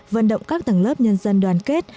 vận động các tầng lớp nhân dân đoàn kết